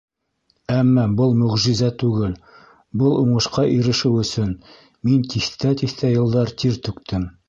Әммә был мөғжизә түгел, был уңышҡа ирешеү өсөн мин тиҫтә-тиҫтә йылдар тир түктем.